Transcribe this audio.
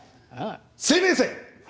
生命線！